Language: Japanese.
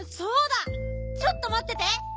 ちょっとまってて。